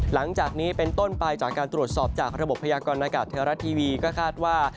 หลังจากนี้เป็นต้นไปจากการตรวจสอบจากระบบพยากรณากาศไทยรัฐทีวีก็คาดว่า